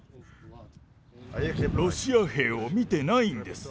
ロシア兵を見てないんです。